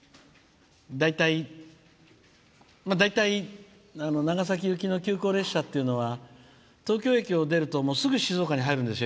大体、長崎行きの急行列車っていうのは東京駅を出るとすぐ静岡に入るんですよ。